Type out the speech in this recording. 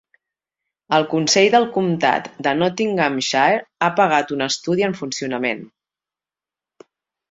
El Consell del Comtat de Nottinghamshire ha pagat un estudi en funcionament.